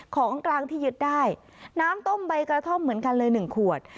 ของกลางที่ยึดได้น้ำต้มใบกระท่อมเหมือนกันเลย๑ขวด